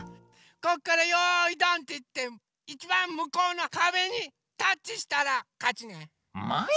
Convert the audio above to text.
こっからよいどんっていっていちばんむこうのかべにタッチしたらかちね。もい。